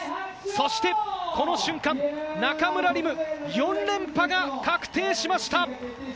そしてこの瞬間、中村輪夢４連覇が確定しました。